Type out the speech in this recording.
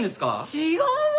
違うわ。